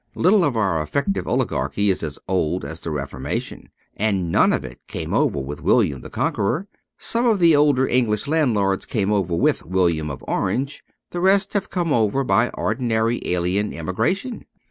Little of our effective oligarchy is as old as the Reformation ; and none of it came over with William the Con queror. Some of the older English landlords came over with William of Orange ; the rest have come over by ordinary alien immigration.